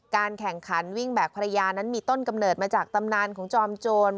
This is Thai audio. แข่งขันวิ่งแบกภรรยานั้นมีต้นกำเนิดมาจากตำนานของจอมโจร